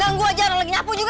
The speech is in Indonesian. ganggu aja orang lagi nyapu juga